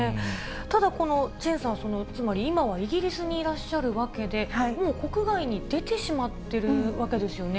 ただ、このチェンさんはつまり、今はイギリスにいらっしゃるわけで、もう国外に出てしまってるわけですよね。